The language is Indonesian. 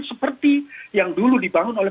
seperti yang dulu dibangun oleh